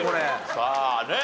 さあねえ